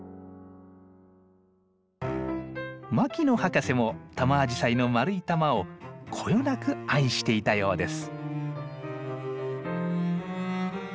牧野博士もタマアジサイの丸い玉をこよなく愛していたようです。